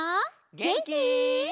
げんき？